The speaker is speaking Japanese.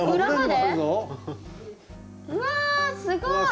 うわすごい！